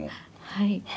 はい。